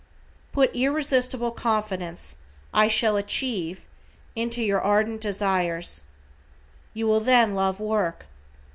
Put irresistible confidence, "I SHALL ACHIEVE," into your ardent desires. You will then love work.